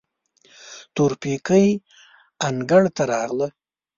تورپيکۍ انګړ ته راغله.